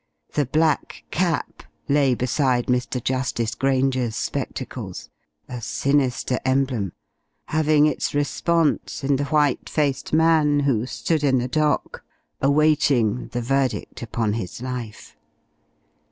The black cap lay beside Mr. Justice Grainger's spectacles, a sinister emblem, having its response in the white faced man who stood in the dock, awaiting the verdict upon his life.